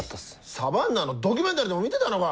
サバンナのドキュメンタリーでも見てたのか！